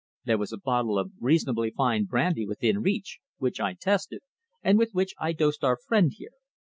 There was a bottle of remarkably fine brandy within reach, which I tested, and with which I dosed our friend here.